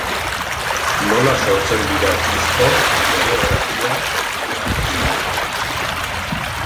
Nola sortzen dira disko, koreografia edo argazkiak?